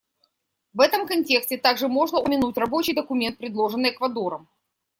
В этом контексте также можно упомянуть рабочий документ, предложенный Эквадором.